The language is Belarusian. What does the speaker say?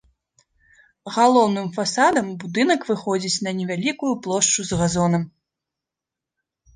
Галоўным фасадам будынак выходзіць на невялікую плошчу з газонам.